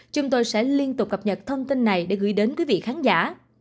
chúng tôi sẽ liên tục cập nhật thông tin này để gửi đến quý vị khán giả